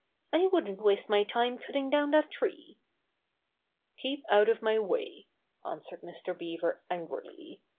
"I wouldn^t v^aste my time cutting dov^n that tree." "Keep out of my way," answered Mr. Bea ver angrily.